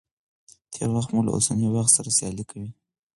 تېر وخت مو له اوسني وخت سره سيالي کوي.